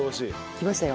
きましたよ。